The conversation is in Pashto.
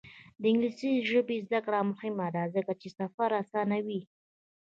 د انګلیسي ژبې زده کړه مهمه ده ځکه چې سفر اسانوي.